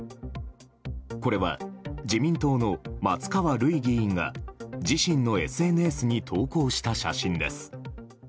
これは、自民党の松川るい議員が自身のＳＮＳに投稿した写真です。